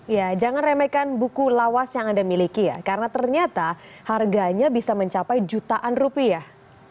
ya jangan remehkan buku lawas yang anda miliki ya karena ternyata harganya bisa mencapai jutaan rupiah